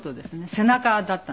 背中だったんですね